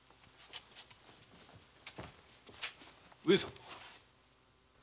上様。